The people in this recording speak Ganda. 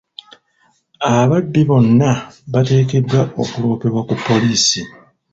Ababbi bonna bateekeddwa okuloopebwa ku poliisi.